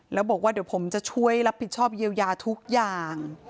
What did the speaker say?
แล้วบอกว่าเดี๋ยวผมจะช่วยรับผิดชอบเยียวยาทุกอย่าง